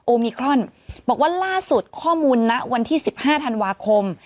มิครอนบอกว่าล่าสุดข้อมูลณวันที่๑๕ธันวาคม